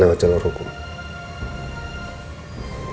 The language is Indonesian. lewat jalur hukum